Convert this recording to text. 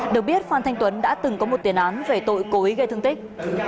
được biết phan thanh tuấn đã từng có một tiền án về tội cố ý gây thương tích